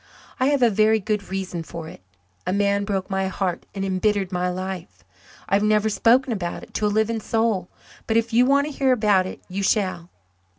I have a very good reason for it. A man broke my heart and embittered my life. I've never spoken about it to a living soul, but if you want to hear about it, you shall."